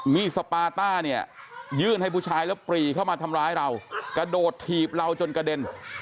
สปาต้าเนี่ยยื่นให้ผู้ชายแล้วปรีเข้ามาทำร้ายเรากระโดดถีบเราจนกระเด็น